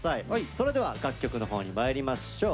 それでは楽曲のほうにまいりましょう。